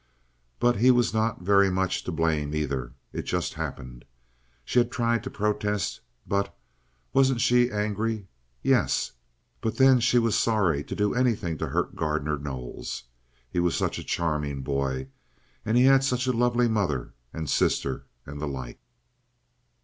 But he was not very much to blame, either. It just happened. She had tried to protest, but— Wasn't she angry? Yes, but then she was sorry to do anything to hurt Gardner Knowles. He was such a charming boy, and he had such a lovely mother and sister, and the like.